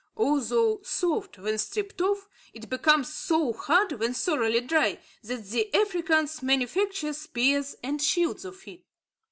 Although soft when stripped off, it becomes so hard, when thoroughly dry, that the Africans manufacture spears and shields of it.